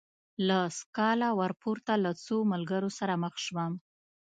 له سکالا ورپورته له څو ملګرو سره مخ شوم.